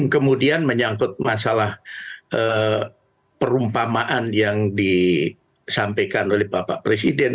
kemudian menyangkut masalah perumpamaan yang disampaikan oleh bapak presiden